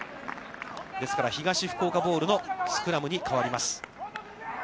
ですから、東福岡ボールのスクラムに変わります。